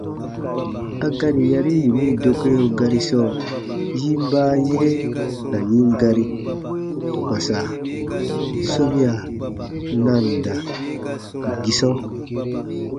A gari yari yini dokeo gari sɔɔ, yin baayire ka yin gari: kpãsa- sobia- nanda-gisɔ.